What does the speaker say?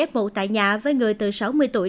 f một tại nhà với người từ sáu mươi tuổi